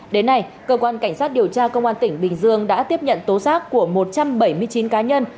đến nay cơ quan cảnh sát điều tra công an tỉnh bình dương đã tiếp nhận tố giác của một trăm bảy mươi chín cá nhân